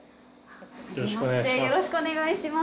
よろしくお願いします。